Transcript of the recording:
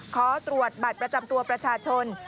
ขอตรวจบัตรประจำตัวประชาชน